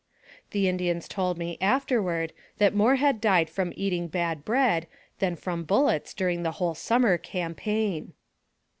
The Indians told me afterward that more had died from eating bad bread than from bullets during the whole summer campaign.